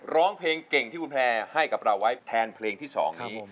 ร้องเพลงเก่งที่คุณแพร่ให้กับเราไว้แทนเพลงที่๒นี้